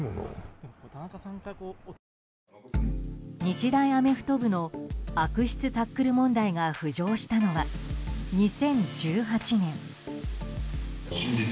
日大アメフト部の悪質タックル問題が浮上したのは２０１８年。